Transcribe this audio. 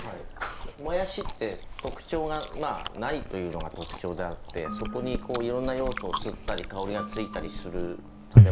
もやしって特徴がないというのが特徴であってそこにいろんな要素を吸ったり香りがついたりする食べ物。